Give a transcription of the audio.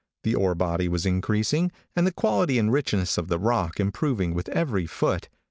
The ore body was increasing, and the quality and richness of the rock improving with every foot.